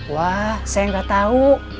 wah saya gak tau